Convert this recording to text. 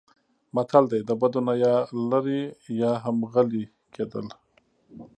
متل دی: د بدو نه یا لرې یا هم غلی کېدل.